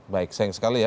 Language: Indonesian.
baik sayang sekali ya